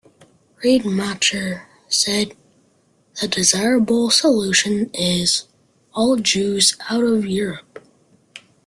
Rademacher said: "The desirable solution is: all Jews out of Europe".